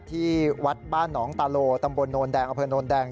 ที่วัดบ้านหนองตาโลตำบลโนนแดงอำเภอโนนแดง